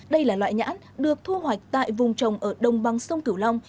đây là loại nhãn được thu hoạch tại vùng trồng ở đông băng sông cửu long